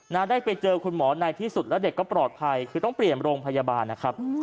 ได้ไปเจอคุณหมอในที่สุดแล้วเด็กก็ปลอดภัยคือต้องเปลี่ยนโรงพยาบาลนะครับ